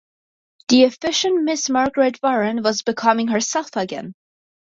The efficient Miss Margaret Warren was becoming herself again.